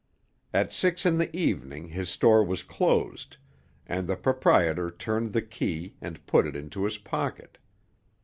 At six in the evening his store was closed, and the proprietor turned the key, and put it into his pocket.